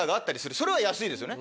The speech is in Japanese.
それは安いですよね。